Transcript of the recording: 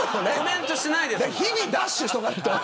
日々、ダッシュしとかないと。